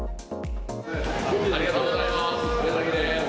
ありがとうございます。